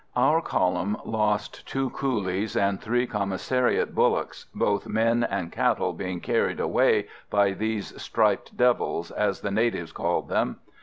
Our column lost two coolies and three commissariat bullocks, both men and cattle being carried away by these "striped devils," as the natives called them.